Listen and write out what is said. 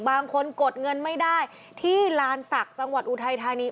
กดเงินไม่ได้ที่ลานศักดิ์จังหวัดอุทัยธานี